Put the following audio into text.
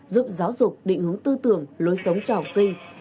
giúp giáo dục định hướng tư tưởng lối sống cho học sinh